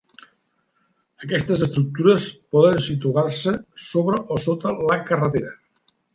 Aquestes estructures poden situar-se sobre o sota la carretera.